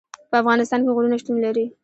په افغانستان کې غرونه شتون لري.